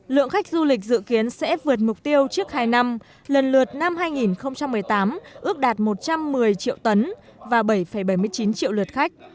lượng khách du lịch dự kiến sẽ vượt mục tiêu trước hai năm lần lượt năm hai nghìn một mươi tám ước đạt một trăm một mươi triệu tấn và bảy bảy mươi chín triệu lượt khách